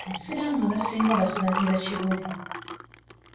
Abasiraamu abasinga basaalira Kibuli .